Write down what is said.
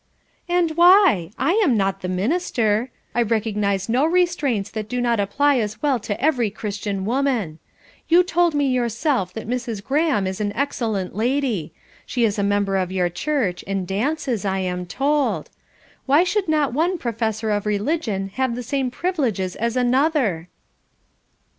"And why? I am not the minister. I recognise no restraints that do not apply as well to every Christian woman. You told me yourself that Mrs. Graham is an excellent lady; she is a member of your church, and dances, I am told. Why should not one professor of religion have the same privileges as another?"